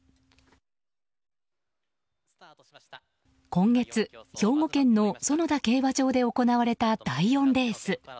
今月、兵庫県の園田競馬場で行われた第４レース。